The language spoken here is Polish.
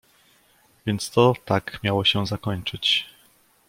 "więc to tak miało się zakończyć!"